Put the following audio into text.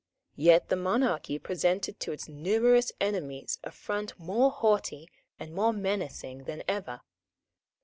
Yet the monarchy presented to its numerous enemies a front more haughty and more menacing than ever.